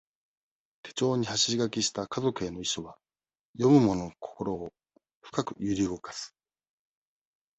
手帳に走り書きした家族への遺書は、読む者の心を、深く揺り動かす。